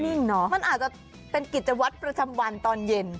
มันอาจจะเป็นกิจวัตรประจำวันตอนเย็น